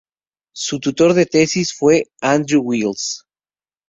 Su tutor de tesis fue Andrew Wiles.